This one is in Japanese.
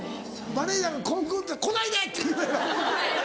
マネジャーがコンコン「来ないで！」って言うやろ。